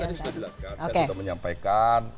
jadi tadi sudah dijelaskan saya sudah menyampaikan